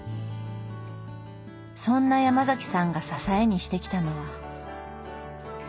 そんなヤマザキさんが支えにしてきたのは。